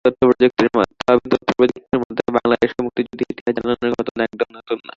তবে তথ্যপ্রযুক্তির মাধ্যমে বাংলাদেশে মুক্তিযুদ্ধের ইতিহাস জানানোর ঘটনা একদম নতুন নয়।